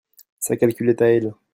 sa calculette à elle.